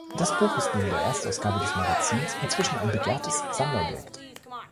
Das Buch ist neben der Erstausgabe des Magazins inzwischen ein begehrtes Sammlerobjekt.